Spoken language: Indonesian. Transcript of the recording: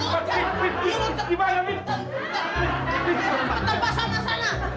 cepetan pak sama sama